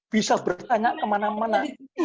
bisa bertanya kemana mana